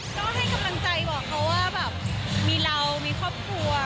ก็ให้กำลังใจบอกเขาว่าแบบมีเรามีครอบครัว